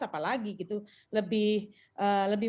apalagi gitu lebih